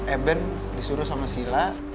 eben disuruh sama sila